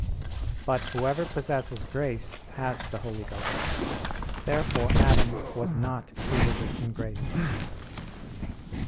But whoever possesses grace has the Holy Ghost. Therefore Adam was not created in grace.